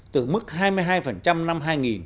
từ mức hai mươi hai năm hai nghìn